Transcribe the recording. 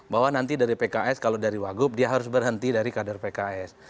bahwa nanti dari pks kalau dari wagub dia harus berhenti dari kader pks